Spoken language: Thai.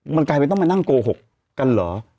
มันกลายเป็นต้องมานั่งโกหกกันเหรอ